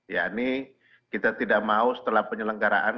ya ini kita tidak mau setelah penyelenggaraan